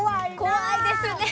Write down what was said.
怖いですね